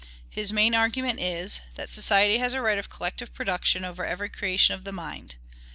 His main argument is, that society has a right of collective production over every creation of the mind.